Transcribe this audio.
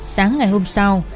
sáng ngày hôm sau